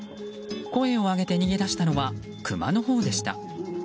声を上げて逃げ出したのはクマのほうでした。